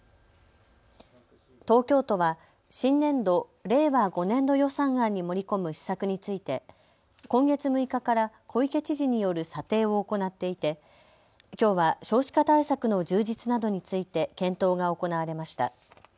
東京都は新年度・令和５年度予算案に盛り込む施策について今月６日から小池知事による査定を行っていてきょうは少子化対策の充実などについて検討が行われました。